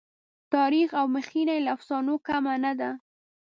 تاریخ او مخینه یې له افسانو کمه نه ده.